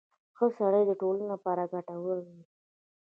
• ښه سړی د ټولنې لپاره ګټور وي.